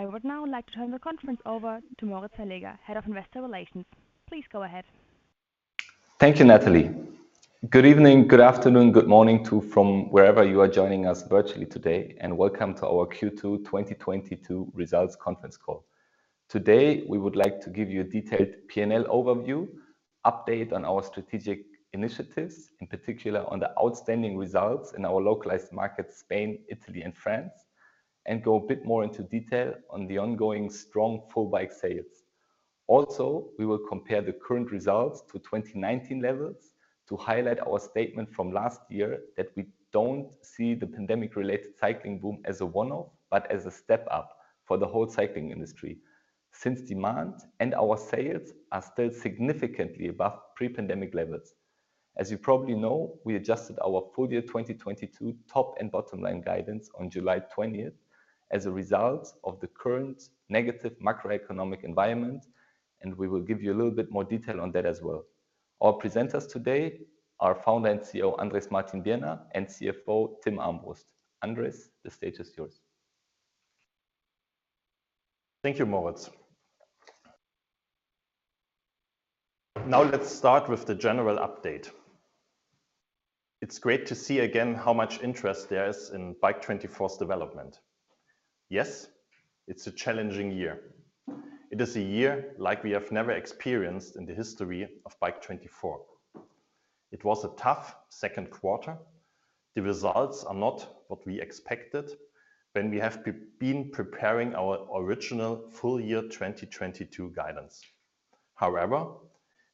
I would now like to turn the conference over to Moritz Verleger, Head of Investor Relations. Please go ahead. Thank you, Natalie. Good evening, good afternoon, good morning to everyone from wherever you are joining us virtually today, and welcome to our Q2 2022 results conference call. Today, we would like to give you a detailed P&L overview, update on our strategic initiatives, in particular on the outstanding results in our localized markets, Spain, Italy, and France, and go a bit more into detail on the ongoing strong full bike sales. We will compare the current results to 2019 levels to highlight our statement from last year that we don't see the pandemic-related cycling boom as a one-off, but as a step up for the whole cycling industry, since demand and our sales are still significantly above pre-pandemic levels. As you probably know, we adjusted our full-year 2022 top and bottom line guidance on July 20th as a result of the current negative macroeconomic environment, and we will give you a little bit more detail on that as well. Our presenters today are Founder and CEO, Andrés Martin-Birner, and CFO, Timm Armbrust. Andrés, the stage is yours. Thank you, Moritz. Now let's start with the general update. It's great to see again how much interest there is in Bike24's development. Yes, it's a challenging year. It is a year like we have never experienced in the history of Bike24. It was a tough second quarter. The results are not what we expected when we have been preparing our original full-year 2022 guidance. However,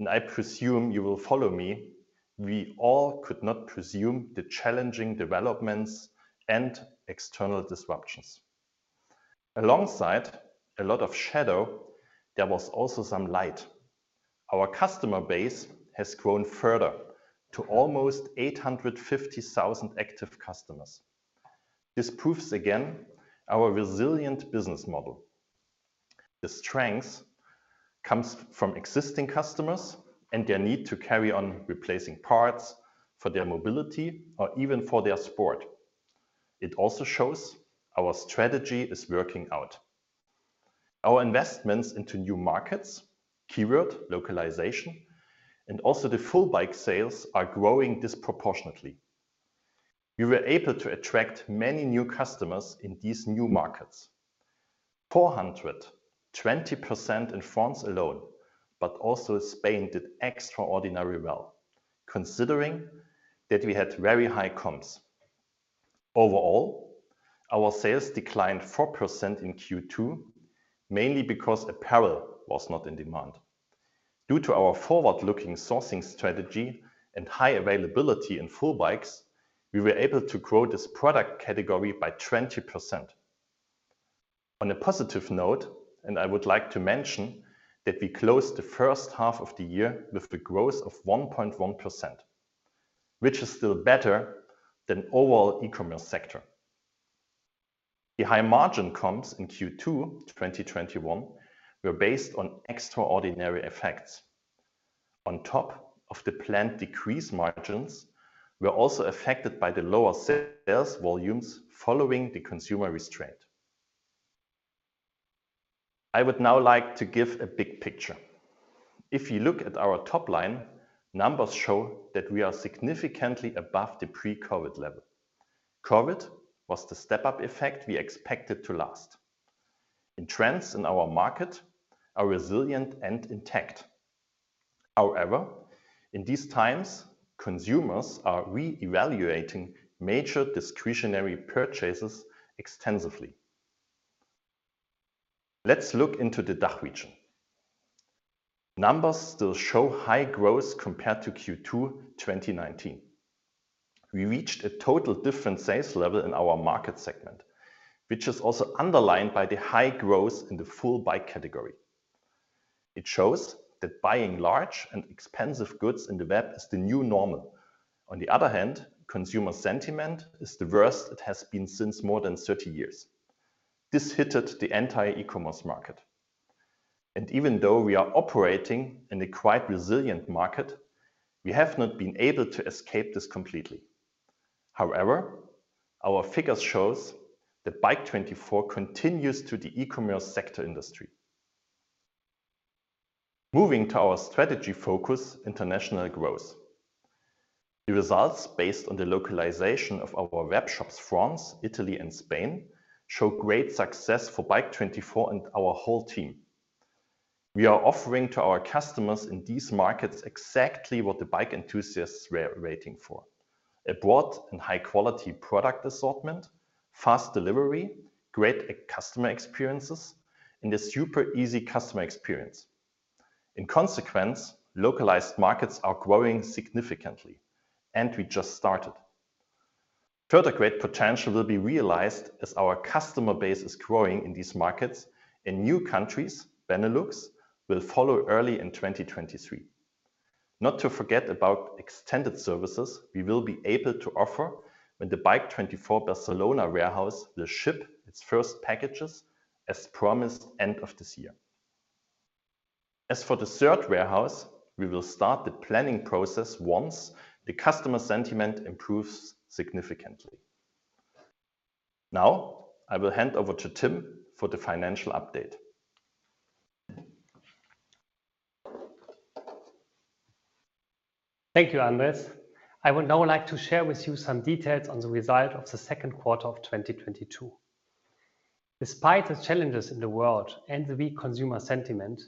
and I presume you will follow me, we all could not presume the challenging developments and external disruptions. Alongside a lot of shadow, there was also some light. Our customer base has grown further to almost 850,000 active customers. This proves again our resilient business model. The strength comes from existing customers and their need to carry on replacing parts for their mobility or even for their sport. It also shows our strategy is working out. Our investments into new markets, keyword localization, and also the full-bikes sales are growing disproportionately. We were able to attract many new customers in these new markets. 420% in France alone, but also Spain did extraordinary well, considering that we had very high comps. Overall, our sales declined 4% in Q2, mainly because apparel was not in demand. Due to our forward-looking sourcing strategy and high availability in full-bikes, we were able to grow this product category by 20%. On a positive note, I would like to mention that we closed the first half of the year with the growth of 1.1%, which is still better than overall e-commerce sector. The high margin comps in Q2 2021 were based on extraordinary effects. On top of the planned decrease margins, we're also affected by the lower sales volumes following the consumer restraint. I would now like to give a big picture. If you look at our top line, numbers show that we are significantly above the pre-COVID level. COVID was the step-up effect we expected to last, and trends in our market are resilient and intact. However, in these times, consumers are reevaluating major discretionary purchases extensively. Let's look into the DACH region. Numbers still show high growth compared to Q2 2019. We reached a totally different sales level in our market segment, which is also underlined by the high growth in the full-bikes category. It shows that buying large and expensive goods on the web is the new normal. On the other hand, consumer sentiment is the worst it has been since more than 30 years. This hit the entire e-commerce market. Even though we are operating in a quite resilient market, we have not been able to escape this completely. However, our figures shows that Bike24 continues to the e-commerce sector industry. Moving to our strategy focus, international growth. The results based on the localization of our webshops, France, Italy, and Spain, show great success for Bike24 and our whole team. We are offering to our customers in these markets exactly what the bike enthusiasts were waiting for, a broad and high-quality product assortment, fast delivery, great customer experiences, and a super easy customer experience. In consequence, localized markets are growing significantly, and we just started. Further great potential will be realized as our customer base is growing in these markets. In new countries, Benelux will follow early in 2023. Not to forget about extended services we will be able to offer when the Bike24 Barcelona warehouse will ship its first packages as promised end of this year. As for the third warehouse, we will start the planning process once the customer sentiment improves significantly. Now, I will hand over to Timm for the financial update. Thank you, Andrés. I would now like to share with you some details on the results of the second quarter of 2022. Despite the challenges in the world and the weak consumer sentiment,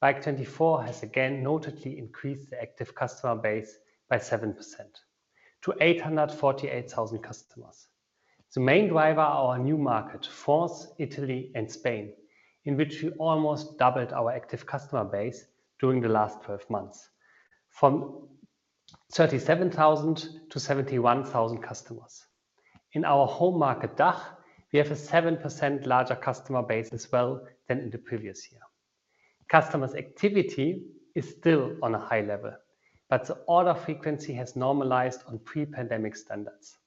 Bike24 has again notably increased the active customer base by 7% to 848,000 customers. The main driver are our new market, France, Italy and Spain, in which we almost doubled our active customer base during the last twelve months, from 37,000 to 71,000 customers. In our home market, DACH, we have a 7% larger customer base as well than in the previous year. Customers' activity is still on a high level, but the order frequency has normalized on pre-pandemic standards.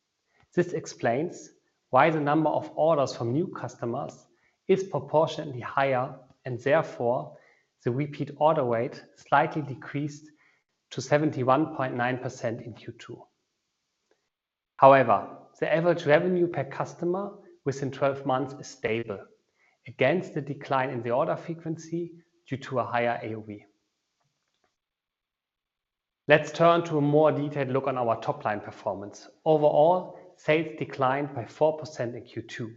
This explains why the number of orders from new customers is proportionately higher and therefore, the repeat order rate slightly decreased to 71.9% in Q2. However, the average revenue per customer within 12 months is stable against the decline in the order frequency due to a higher AOV. Let's turn to a more detailed look on our top-line performance. Overall, sales declined by 4% in Q2.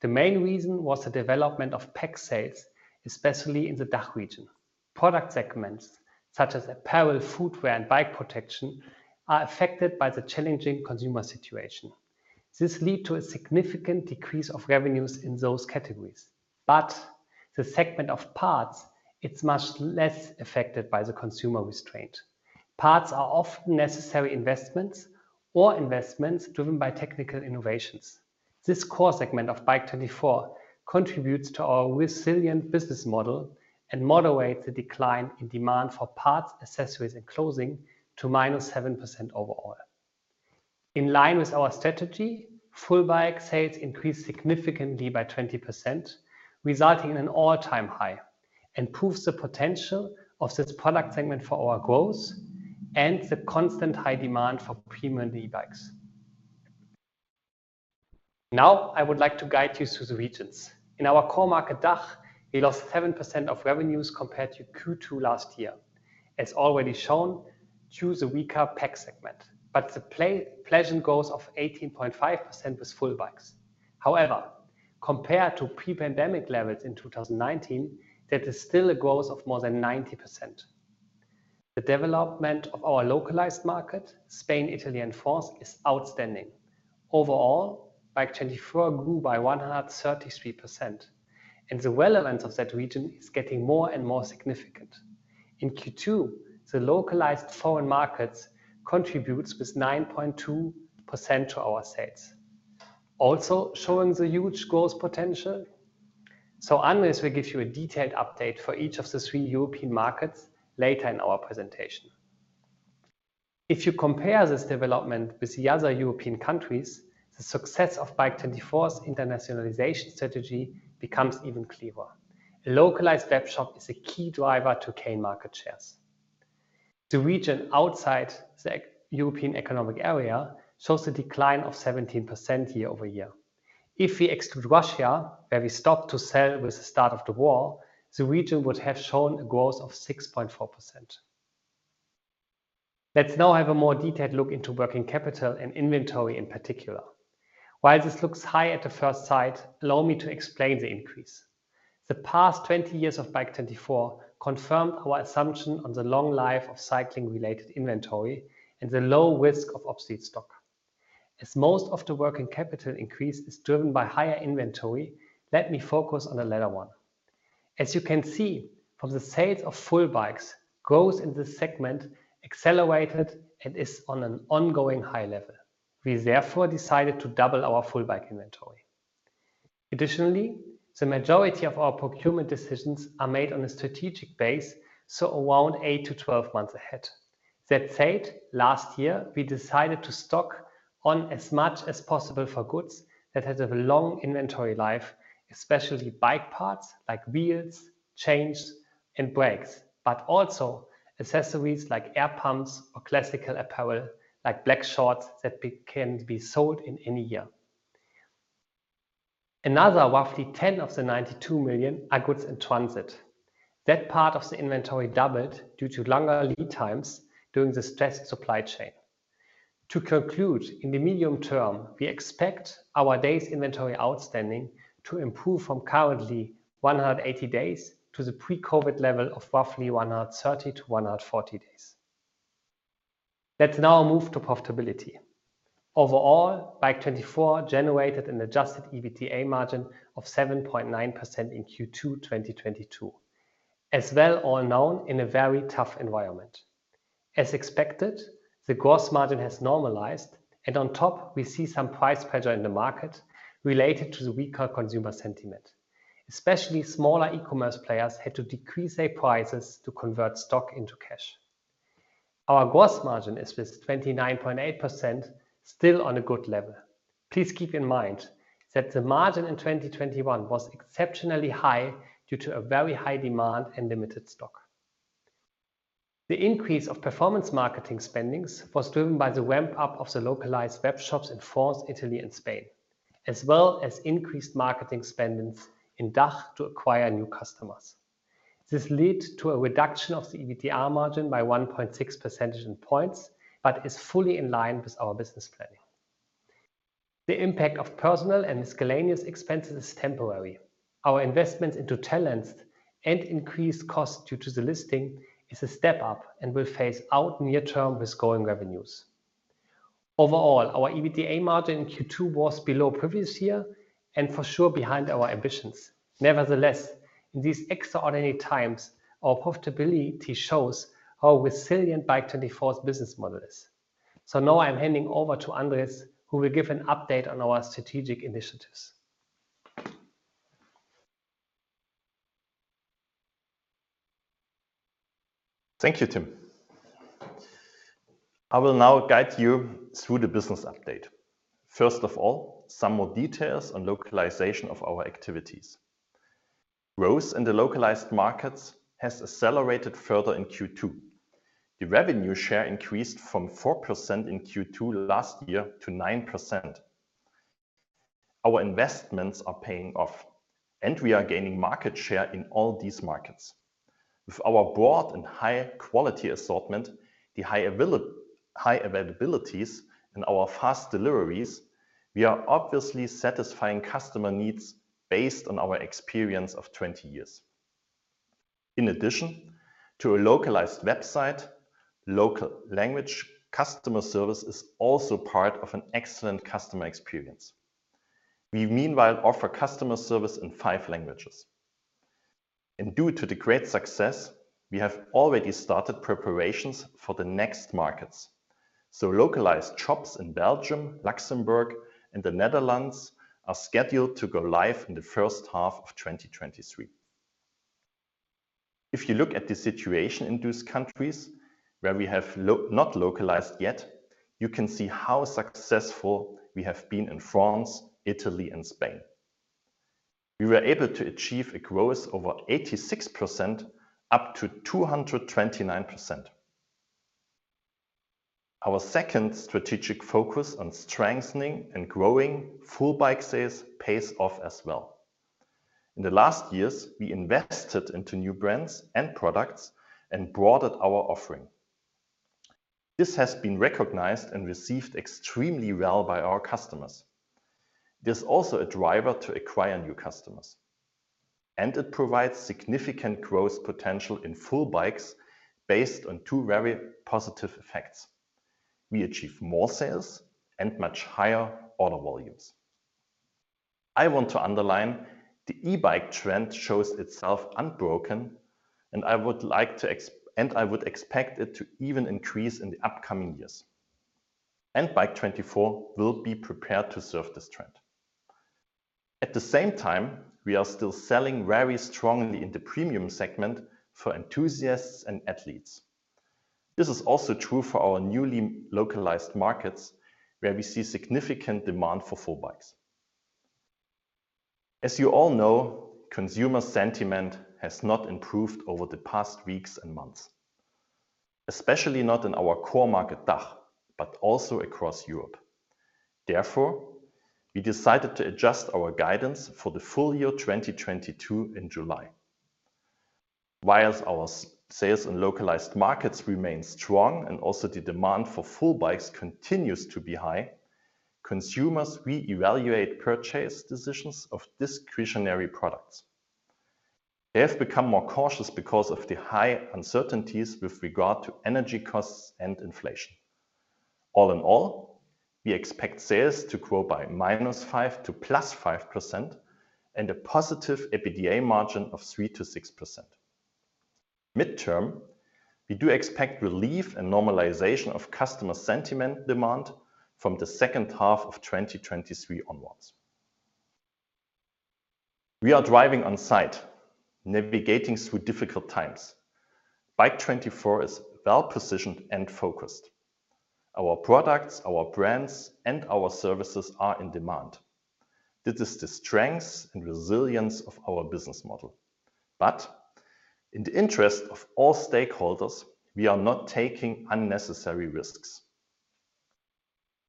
The main reason was the development of PAC sales, especially in the DACH region. Product segments such as apparel, footwear, and bike protection are affected by the challenging consumer situation. This led to a significant decrease of revenues in those categories. The segment of parts is much less affected by the consumer restraint. Parts are often necessary investments or investments driven by technical innovations. This core segment of Bike24 contributes to our resilient business model and moderates the decline in demand for parts, accessories, and clothing to -7% overall. In line with our strategy, full bike sales increased significantly by 20%, resulting in an all-time high and proves the potential of this product segment for our growth and the constant high demand for premium e-bikes. Now, I would like to guide you through the regions. In our core market, DACH, we lost 7% of revenues compared to Q2 last year. As already shown, due to a weaker PAC segment, but the pleasant growth of 18.5% in full bikes. However, compared to pre-pandemic levels in 2019, that is still a growth of more than 90%. The development of our localized market, Spain, Italy, and France, is outstanding. Overall, Bike24 grew by 133%, and the relevance of that region is getting more and more significant. In Q2, the localized foreign markets contributes with 9.2% to our sales, also showing the huge growth potential. Andrés will give you a detailed update for each of the three European markets later in our presentation. If you compare this development with the other European countries, the success of Bike24's internationalization strategy becomes even clearer. A localized webshop is a key driver to gain market shares. The region outside the European Economic Area shows a decline of 17% year-over-year. If we exclude Russia, where we stopped to sell with the start of the war, the region would have shown a growth of 6.4%. Let's now have a more detailed look into working capital and inventory in particular. While this looks high at the first sight, allow me to explain the increase. The past 20 years of Bike24 confirmed our assumption on the long life of cycling-related inventory and the low risk of obsolete stock. As most of the working capital increase is driven by higher inventory, let me focus on the latter one. As you can see from the sales of full bikes, growth in this segment accelerated and is on an ongoing high level. We therefore decided to double our full bike inventory. Additionally, the majority of our procurement decisions are made on a strategic base, so around eight to 12 months ahead. That said, last year, we decided to stock on as much as possible for goods that have a long inventory life, especially bike parts like wheels, chains, and brakes, but also accessories like air pumps or classical apparel like black shorts that can be sold in any year. Another roughly 10 million of the 92 million are goods in transit. That part of the inventory doubled due to longer lead times during the stressed supply chain. To conclude, in the medium term, we expect our days inventory outstanding to improve from currently 180 days to the pre-COVID level of roughly 130-140 days. Let's now move to profitability. Overall, Bike24 generated an adjusted EBITDA margin of 7.9% in Q2 2022, as is well known in a very tough environment. As expected, the gross margin has normalized, and on top, we see some price pressure in the market related to the weaker consumer sentiment. Especially smaller e-commerce players had to decrease their prices to convert stock into cash. Our gross margin is with 29.8% still on a good level. Please keep in mind that the margin in 2021 was exceptionally high due to a very high demand and limited stock. The increase of performance marketing spending was driven by the ramp-up of the localized webshops in France, Italy and Spain, as well as increased marketing spending in DACH to acquire new customers. This led to a reduction of the EBITDA margin by 1.6 percentage points, but is fully in line with our business planning. The impact of personal and miscellaneous expenses is temporary. Our investment into talents and increased costs due to the listing is a step up and will phase out near term with growing revenues. Overall, our EBITDA margin in Q2 was below previous year and for sure behind our ambitions. Nevertheless, in these extraordinary times, our profitability shows how resilient Bike24's business model is. Now I'm handing over to Andrés, who will give an update on our strategic initiatives. Thank you, Timm. I will now guide you through the business update. First of all, some more details on localization of our activities. Growth in the localized markets has accelerated further in Q2. The revenue share increased from 4% in Q2 last year to 9%. Our investments are paying off and we are gaining market share in all these markets. With our broad and high quality assortment, the high availabilities and our fast deliveries, we are obviously satisfying customer needs based on our experience of 20 years. In addition to a localized website, local language customer service is also part of an excellent customer experience. We meanwhile offer customer service in five languages. Due to the great success, we have already started preparations for the next markets. Localized shops in Belgium, Luxembourg and the Netherlands are scheduled to go live in the first half of 2023. If you look at the situation in those countries where we have not localized yet, you can see how successful we have been in France, Italy and Spain. We were able to achieve a growth over 86% up to 229%. Our second strategic focus on strengthening and growing full bike sales pays off as well. In the last years, we invested into new brands and products and broadened our offering. This has been recognized and received extremely well by our customers. This is also a driver to acquire new customers, and it provides significant growth potential in full bikes based on two very positive effects. We achieve more sales and much higher order volumes. I want to underline the e-bike trend shows itself unbroken, and I would like to and I would expect it to even increase in the upcoming years. Bike24 will be prepared to serve this trend. At the same time, we are still selling very strongly in the premium segment for enthusiasts and athletes. This is also true for our newly localized markets, where we see significant demand for full bikes. As you all know, consumer sentiment has not improved over the past weeks and months, especially not in our core market DACH, but also across Europe. Therefore, we decided to adjust our guidance for the full-year 2022 in July. While our sales in localized markets remain strong and also the demand for full bikes continues to be high, consumers reevaluate purchase decisions of discretionary products. They have become more cautious because of the high uncertainties with regard to energy costs and inflation. All in all, we expect sales to grow by -5% to +5% and a positive EBITDA margin of 3%-6%. Mid-term, we do expect relief and normalization of customer sentiment demand from the second half of 2023 onwards. We are driving on site, navigating through difficult times. Bike24 is well-positioned and focused. Our products, our brands, and our services are in demand. This is the strength and resilience of our business model. In the interest of all stakeholders, we are not taking unnecessary risks.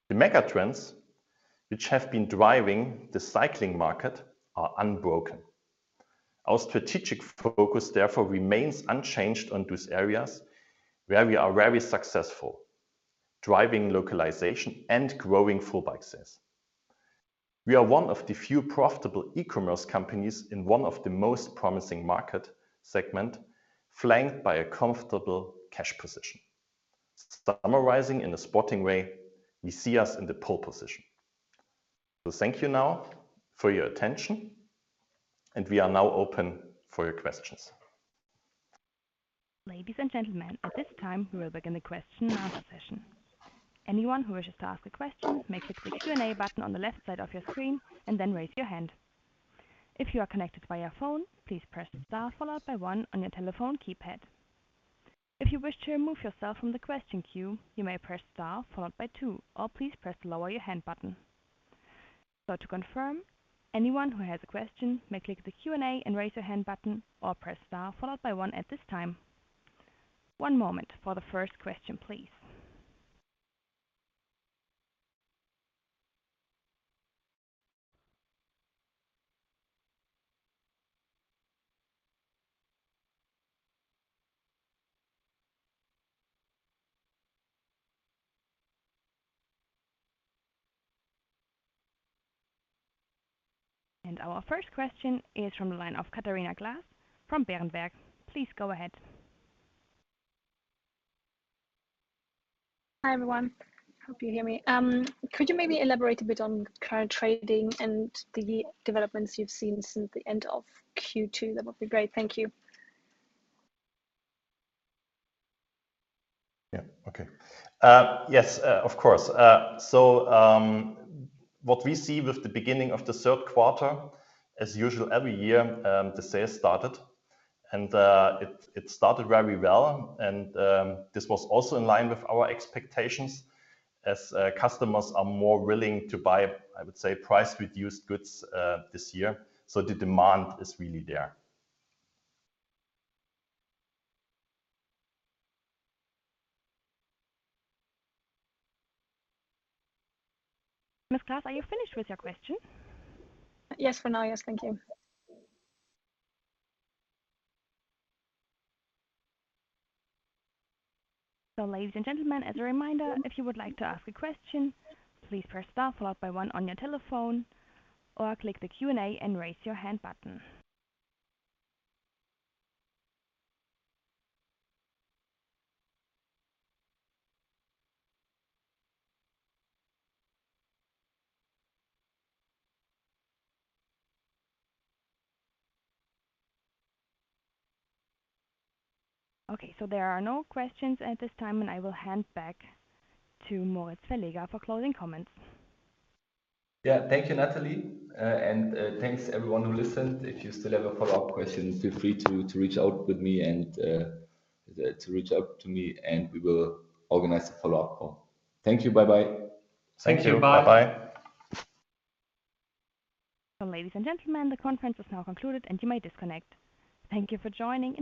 The megatrends which have been driving the cycling market are unbroken. Our strategic focus therefore remains unchanged on those areas where we are very successful, driving localization and growing full bike sales. We are one of the few profitable e-commerce companies in one of the most promising market segment, flanked by a comfortable cash position. Summarizing in a sporting way, we see us in the pole position. Thank you now for your attention, and we are now open for your questions. Ladies and gentlemen, at this time we will begin the question and answer session. Anyone who wishes to ask a question may click the Q&A button on the left side of your screen and then raise your hand. If you are connected via phone, please press star followed by one on your telephone keypad. If you wish to remove yourself from the question queue, you may press star followed by two, or please press the lower your hand button. To confirm, anyone who has a question may click the Q&A and raise your hand button or press star followed by one at this time. One moment for the first question, please. Our first question is from the line of Catharina Claes from Berenberg. Please go ahead. Hi, everyone. Hope you hear me. Could you maybe elaborate a bit on current trading and the developments you've seen since the end of Q2? That would be great. Thank you. Yeah. Okay. Yes, of course. What we see with the beginning of the third quarter, as usual, every year, the sales started and it started very well. This was also in line with our expectations as customers are more willing to buy, I would say, price-reduced goods this year. The demand is really there. Ms. Claes, are you finished with your question? Yes. For now, yes. Thank you. Ladies and gentlemen, as a reminder, if you would like to ask a question, please press star followed by one on your telephone, or click the Q&A and Raise Your Hand button. Okay, there are no questions at this time, and I will hand back to Moritz Verleger for closing comments. Yeah. Thank you, Natalie. Thanks everyone who listened. If you still have a follow-up question, feel free to reach out to me, and we will organize a follow-up call. Thank you. Bye-bye. Thank you. Bye. Ladies and gentlemen, the conference is now concluded and you may disconnect. Thank you for joining.